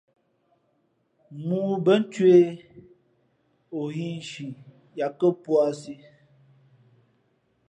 Mōō bά ncwěh, o hᾱ ǐ nshi yāt kά puǎsī.